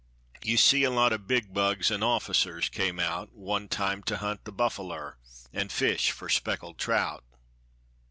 You see a lot of big bugs an' officers came out One time to hunt the buffaler an' fish fer speckled trout.